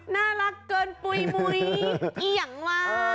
น่ารักเกินปุ๋ยมุยอีหยังวะ